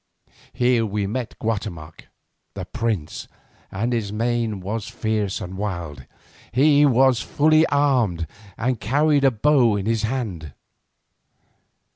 Here we met Guatemoc, the prince, and his mien was fierce and wild. He was fully armed and carried a bow in his hand.